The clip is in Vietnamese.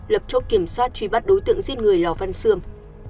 lập chốt kiểm soát truy bắt đối tượng giết người lò văn xương